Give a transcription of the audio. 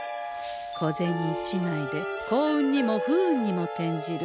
小銭一枚で幸運にも不運にも転じる。